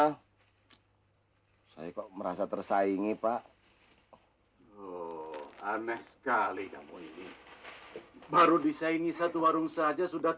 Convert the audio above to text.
hai saya kok merasa tersaingi pak oh aneh sekali kamu ini baru disaingi satu warung saja sudah